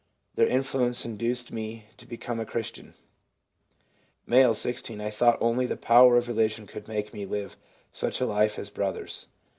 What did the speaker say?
Their influence induced me to become a Christian.' M., 16. 'I thought only the power of religion could make me live such a life as brother's.